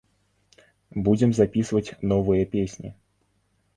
Будзем запісваць новыя песні.